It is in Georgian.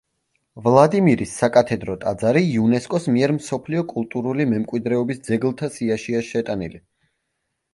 ვლადიმირის საკათედრო ტაძარი იუნესკოს მიერ მსოფლიო კულტურული მემკვიდრეობის ძეგლთა სიაშია შეტანილი.